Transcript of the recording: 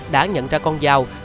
đã nhận ra con dao